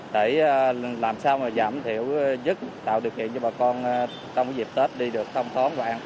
để làm sao mà giảm thiểu dứt tạo điều kiện cho bà con trong dịp tết đi được thông thốn và an toàn nhất